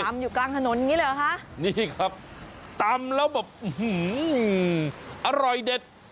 ตำอยู่กลางถนนอย่างงี้เลยเหรอฮะนี่ครับตำแล้วบอกอร่อยเด็ด